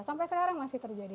sampai sekarang masih terjadi